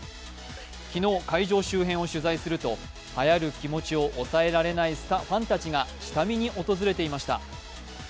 昨日、会場周辺を取材すると、はやる気持ちを抑えられないファンたちが下見に訪れていました。